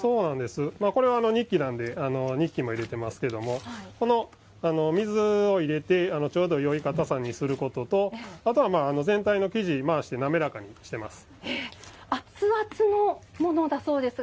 これは、にっきなのでにっきも入れてますけどこの水を入れて、ちょうどよいかたさにすることとあとは全体の生地を回して滑らかにすることをしています。